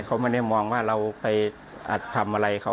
เขาไม่ได้มองว่าเราไปทำอะไรเขา